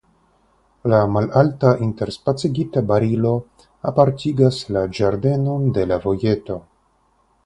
Malalta interspacigita barilo apartigas la ĝardenon de la vojeto.